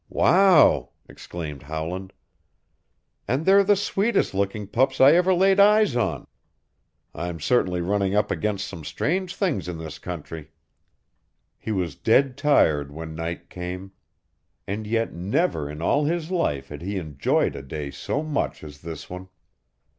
"Wow!" exclaimed Howland. "And they're the sweetest looking pups I ever laid eyes on. I'm certainly running up against some strange things in this country!" He was dead tired when night came. And yet never in all his life had he enjoyed a day so much as this one.